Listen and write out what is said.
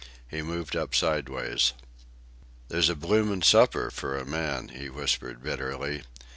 He moved up sideways. "There's a blooming supper for a man," he whispered bitterly.